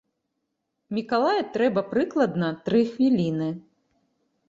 Мікалая трэба прыкладна тры хвіліны.